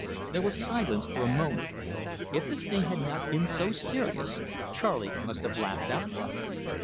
There was silence for a moment. If the thing had not been so serious, Charley must have laughed outright.